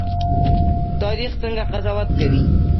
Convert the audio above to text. تاریخ څنګه قضاوت کوي؟